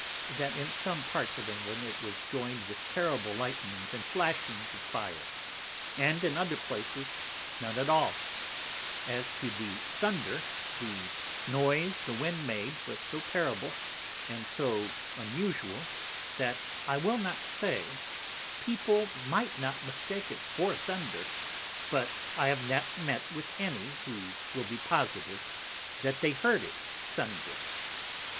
That in some Parts of England it was join'd with terrible Lightnings and Flashings of Fire, and in other places none at all; as to Thunder the Noise the Wind made, was so Terrible, and so Unusual, that I will not say, People might not mistake it for Thunder; but I have not met with any, who will be positive that they heard it Thunder.